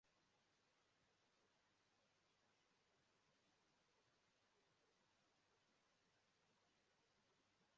E nwekwara ekele oge ụbọchị